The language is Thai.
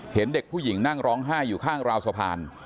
เห็นเด็กผู้หญิงนั่งร้องไห้อยู่ข้างราวสะพาน